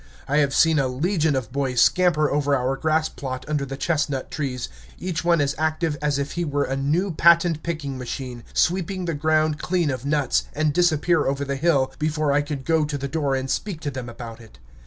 I have seen a legion of boys scamper over our grass plot under the chestnut trees, each one as active as if he were a new patent picking machine, sweeping the ground clean of nuts, and disappear over the hill before I could go to the door and speak to them about it.